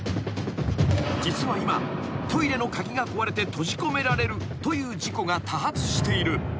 ［実は今トイレの鍵が壊れて閉じ込められるという事故が多発している］